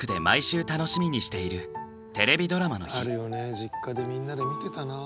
実家でみんなで見てたな。